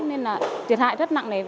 nên là thiệt hại rất nặng nề